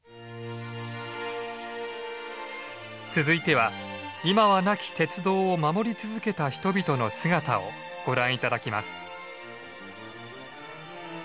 続いては今はなき鉄道を守り続けた人々の姿をご覧頂きます。